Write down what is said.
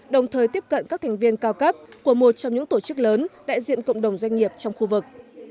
đồng thời tiếp cận các thành viên cao cấp của một trong những tổ chức lớn đại diện cộng đồng doanh nghiệp trong khu vực